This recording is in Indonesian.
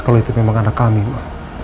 kalo itu memang anak kami ma